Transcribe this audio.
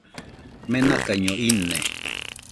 Menakaiño ine